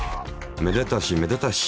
めでたしめでたし。